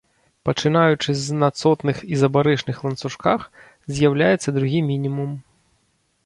Пачынаючы з на цотных ізабарычных ланцужках з'яўляецца другі мінімум.